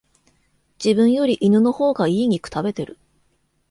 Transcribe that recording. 自分より犬の方が良い肉食べてる